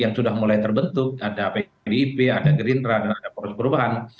yang sudah mulai terbentuk ada pdip ada gerindra dan ada poros perubahan